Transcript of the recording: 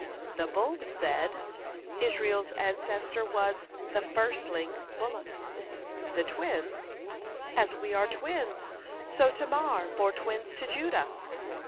The Bull said: "Israel's ancestor was 'the firstling bullock.'" The Twins: "As we are twins, so Tamar bore twins to Judah."